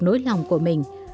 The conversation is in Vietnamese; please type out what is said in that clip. nỗi lòng của mình